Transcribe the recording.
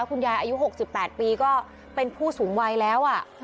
คุณยายอายุ๖๘ปีก็เป็นผู้สูงวัยแล้วอะ